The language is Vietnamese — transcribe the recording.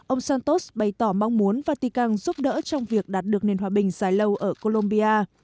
ông santos bày tỏ mong muốn vatican giúp đỡ trong việc đạt được nền hòa bình dài lâu ở colombia